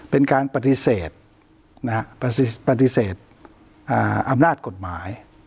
เป็นการปฏิเสธปฏิเสธอำนาจกฎหมาย